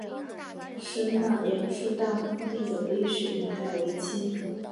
石码杨氏大夫第的历史年代为清。